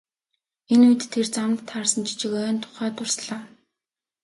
Энэ үед тэр замд таарсан жижиг ойн тухай дурслаа.